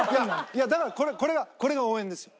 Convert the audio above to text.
いやだからこれがこれが応援ですよ。